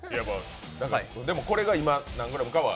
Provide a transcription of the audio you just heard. でも、これが今、何グラムかは？